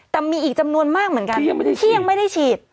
แต่มีอีกจำนวนมากเหมือนกันที่ยังไม่ได้ฉีด